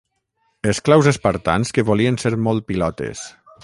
Esclaus espartans que volien ser molt pilotes.